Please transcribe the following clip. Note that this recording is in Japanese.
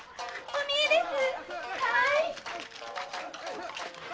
お見えです！